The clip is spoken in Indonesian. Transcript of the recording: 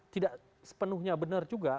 tidak sepenuhnya benar juga